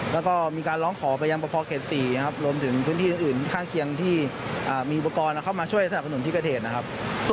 แล้วก็มีการร้องขอไปยังประพอส์เขต๔รวมถึงพื้นที่อื่นข้างเคียงที่มีอุปกรณ์เข้ามาช่วยสนับสนุนที่กระเทศ